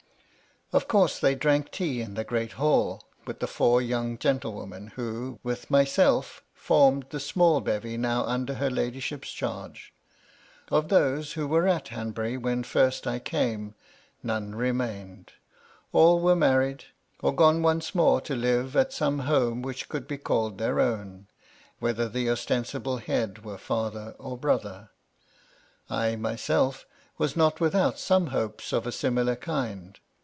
Of course, they drank tea in the great hall, with the four young gentlewomen, who, with myself, formed the small bevy now under her ladyship's charge. Of those who were at Hanbuiy when first I came, none re mained ; all were married, or gone once more to live at some home which could be called their own, whether MY LADY LUDLOW. 323 the ostensible head were fether or brother. I myself was not without some hopes of a similar kind.